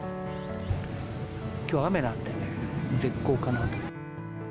きょう、雨なんで、絶好かなと。